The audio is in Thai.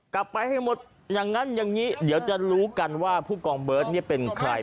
กลับไปให้หมดอย่างนั้นอย่างนี้เดี๋ยวจะรู้กันว่าผู้กองเบิร์ตเป็นใคร